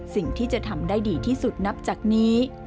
สิ่งที่จะทำได้ดีที่สุดนับจากนี้